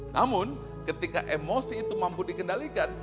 namun ketika emosi itu mampu dikendalikan